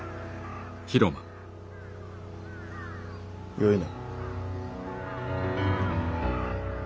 よいな？